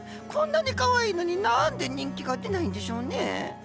こんなにかわいいのに何で人気が出ないんでしょうね？